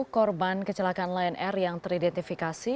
korban kecelakaan lion air yang teridentifikasi